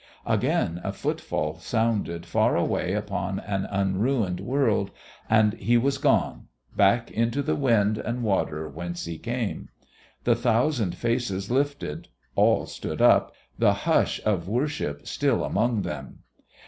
Again a footfall sounded far away upon an unruined world ... and He was gone back into the wind and water whence He came. The thousand faces lifted; all stood up; the hush of worship still among them.